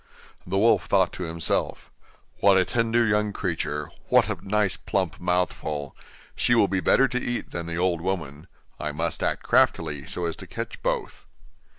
The wolf thought to himself: 'What a tender young creature! what a nice plump mouthful she will be better to eat than the old woman. I must act craftily, so as to catch both.